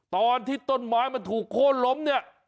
ตอนที่ต้นไม้มันถูกโค้นล้มเนี่ย